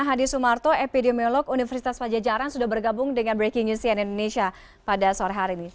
hadi sumarto epidemiolog universitas pajajaran sudah bergabung dengan breaking news cnn indonesia pada sore hari ini